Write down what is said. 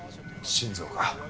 心臓か。